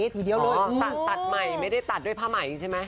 ตัดไม่ไม่ได้ต่อด้วยผ้าใหม่ใช่ไหม